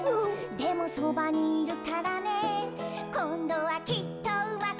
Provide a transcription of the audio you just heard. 「でもそばにいるからねこんどはきっとうまくいくよ！」